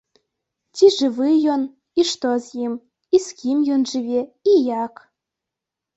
Ці жывы ён, і што з ім, і з кім ён жыве, і як.